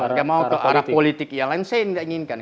oke mau ke arah politik yang lain saya tidak inginkan